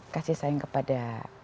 kasih sayang kepada